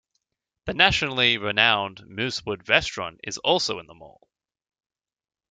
The nationally renowned Moosewood Restaurant is also in the mall.